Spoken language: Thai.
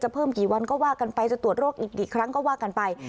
เพิ่มกี่วันก็ว่ากันไปจะตรวจโรคอีกกี่ครั้งก็ว่ากันไป